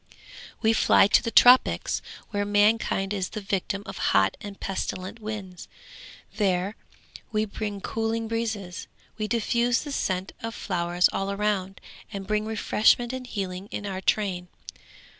We fly to the tropics where mankind is the victim of hot and pestilent winds; there we bring cooling breezes. We diffuse the scent of flowers all around, and bring refreshment and healing in our train.